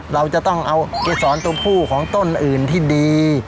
เราจะต้องเอาเกษรตัวผู้ของต้นอื่นที่ดี